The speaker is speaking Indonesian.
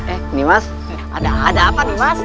eh nimas ada apa nimas